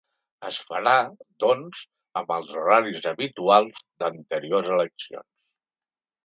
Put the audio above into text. Es farà, doncs, amb els horaris habituals d’anteriors eleccions.